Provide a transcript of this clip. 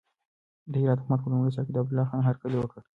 د هرات حکومت په لومړي سر کې د عبدالله خان هرکلی وکړ.